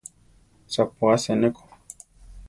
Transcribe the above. Sapú asé ne ko.